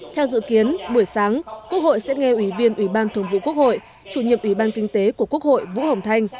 theo dự kiến buổi sáng quốc hội sẽ nghe ủy viên ủy ban thường vụ quốc hội chủ nhiệm ủy ban kinh tế của quốc hội vũ hồng thanh